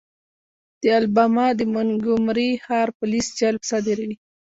د الاباما د مونګومري ښار پولیس جلب صادروي.